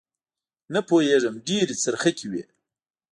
نه پوېېږم ډېرې څرخکې وې.